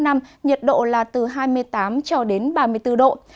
nhiệt độ là từ hai mươi tám cho đến ba mươi bốn độ